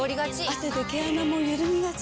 汗で毛穴もゆるみがち。